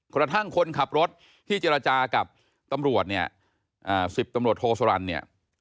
กระทั่งคนขับรถที่เจรจากับตำรวจเนี่ย๑๐ตำรวจโทสรรค์เนี่ย